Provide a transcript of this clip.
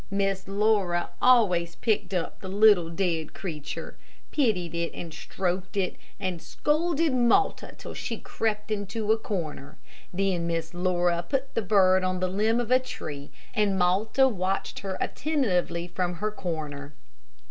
Miss Laura always picked up the little, dead creature, pitied it and stroked it, and scolded Malta till she crept into a corner. Then Miss Laura put the bird on a limb of a tree, and Malta watched her attentively from her corner.